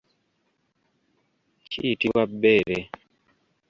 Kiyitibwa bbeere.